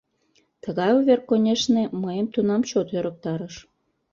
Тыгай увер, конешне, мыйым тунам чот ӧрыктарыш.